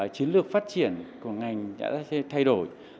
chiến lược phát triển của ngành đã thay đổi